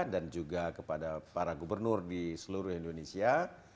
dan juga kepada para gubernur di seluruh indonesia